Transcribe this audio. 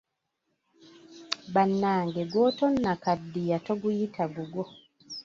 Bannannge gw'otonnakaddiya toguyita gugwo.